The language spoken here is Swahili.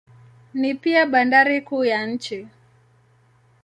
Ni pia bandari kuu ya nchi.